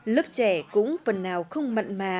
lớp trẻ cũng phần nào không mặn mà